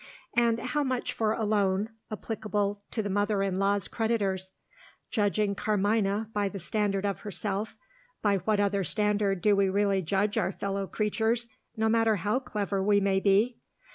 And how much for a loan, applicable to the mother in law's creditors? Judging Carmina by the standard of herself by what other standard do we really judge our fellow creatures, no matter how clever we may be?